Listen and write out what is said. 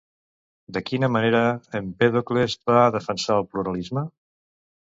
De quina manera Empèdocles va defensar el pluralisme?